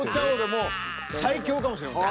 もう最強かもしれません。